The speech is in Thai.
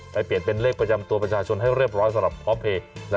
เปลี่ยนเป็นเลขประจำตัวประชาชนให้เรียบร้อยสำหรับพ่อเพลย์